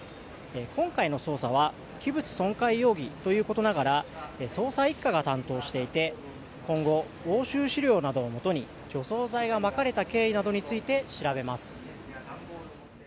今回の捜査は器物損壊容疑ということながら捜査１課が担当していて今後、押収資料などをもとに除草剤がまかれた経緯などについて調べます。